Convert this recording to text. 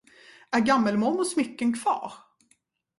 Är gammelmormors smycken kvar?